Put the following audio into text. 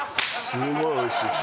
すごいおいしいです。